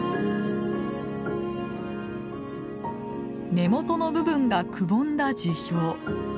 根元の部分がくぼんだ樹氷。